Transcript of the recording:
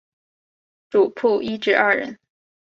主薄一至二人。